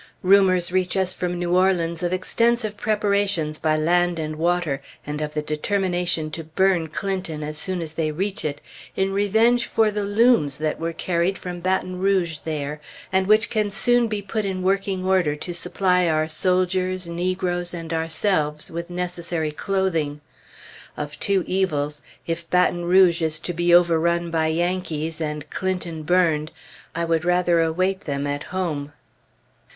Rumors reach us from New Orleans of extensive preparations by land and water, and of the determination to burn Clinton as soon as they reach it, in revenge for the looms that were carried from Baton Rouge there, and which can soon be put in working order to supply our soldiers, negroes, and ourselves with necessary clothing. Of two evils, if Baton Rouge is to be overrun by Yankees, and Clinton burned, I would rather await them at home.